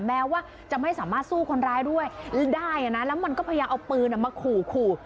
แม้ว่าจะไม่สามารถสู้คนร้ายด้วยได้นะแล้วมันก็พยายามเอาปืนมาขู่